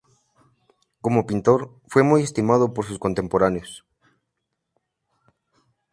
Como pintor, fue muy estimado por sus contemporáneos.